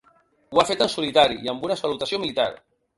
Ho ha fet en solitari i amb una salutació militar.